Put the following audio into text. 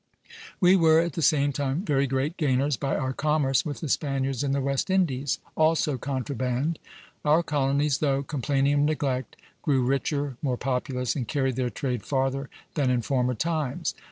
We were at the same time very great gainers by our commerce with the Spaniards in the West Indies [also contraband].... Our colonies, though complaining of neglect, grew richer, more populous, and carried their trade farther than in former times....